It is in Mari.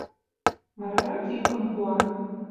Варарак йӱкым пуа: